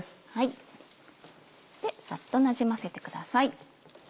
サッとなじませてください。